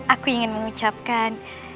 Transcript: aku ingin mengucapkan